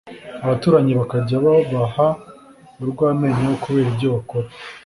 Abaturanyi bakajya babaha urw’amenyo kubera ibyo bakora